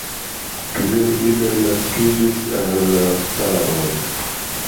Kvin idoj naskiĝis al la paro.